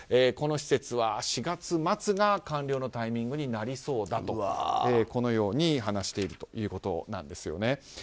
この施設は４月末が完了のタイミングになりそうとこのように話しているということです。